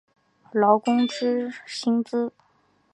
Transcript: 劳工之薪资